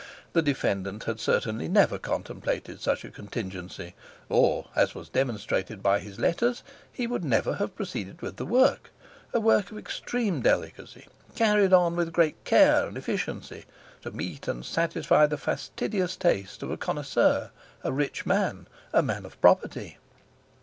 The defendant had certainly never contemplated such a contingency, or, as was demonstrated by his letters, he would never have proceeded with the work—a work of extreme delicacy, carried out with great care and efficiency, to meet and satisfy the fastidious taste of a connoisseur, a rich man, a man of property.